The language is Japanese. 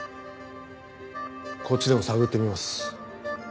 こっちでも探ってみます。